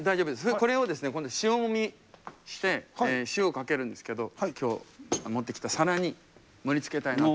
これをですね今度は塩もみして塩をかけるんですけど今日持ってきた皿に盛りつけたいなと。